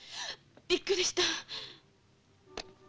びっくりした。